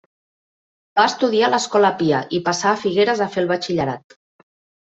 Va estudiar a l'Escola Pia i passà a Figueres a fer el batxillerat.